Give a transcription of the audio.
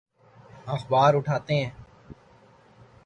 اخبار اٹھاتے ہیں۔